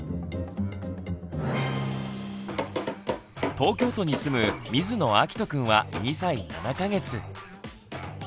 東京都に住む水野あきとくんは２歳７か月。